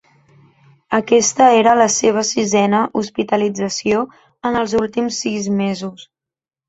Aquesta era la seva sisena hospitalització en els últims sis mesos.